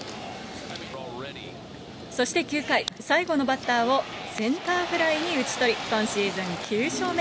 そして９回、最後のバッターをセンターフライに打ち取り、今シーズン９勝目。